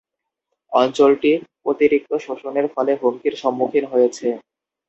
অঞ্চলটি অতিরিক্ত শোষণের ফলে হুমকির সম্মুখীন হয়েছে।